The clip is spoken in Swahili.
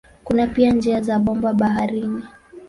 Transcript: Kuna pia njia za bomba baharini.